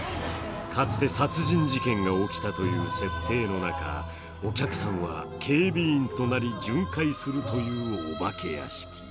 かつて殺人事件が起きたという設定の中、お客さんは警備員となり、巡回するというお化け屋敷。